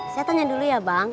saya tanya dulu ya bang